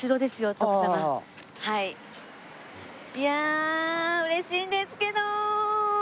いやあ嬉しいんですけど！